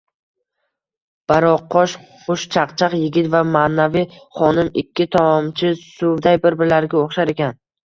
Baroqqosh, xushchaqchaq yigit va manavi xonim ikki tomchi suvday bir-birlariga o`xshar ekan